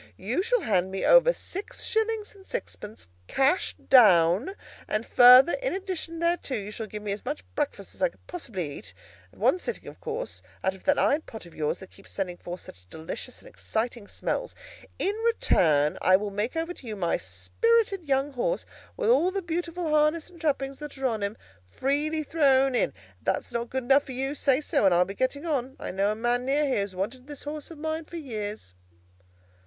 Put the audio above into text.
You shall hand me over six shillings and sixpence, cash down; and further, in addition thereto, you shall give me as much breakfast as I can possibly eat, at one sitting of course, out of that iron pot of yours that keeps sending forth such delicious and exciting smells. In return, I will make over to you my spirited young horse, with all the beautiful harness and trappings that are on him, freely thrown in. If that's not good enough for you, say so, and I'll be getting on. I know a man near here who's wanted this horse of mine for years."